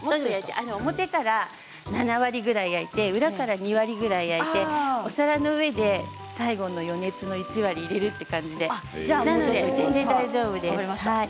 表、７割焼いて裏から２割焼いて、お皿の上で最後の余熱の１割入れるという感じでなので全然大丈夫です。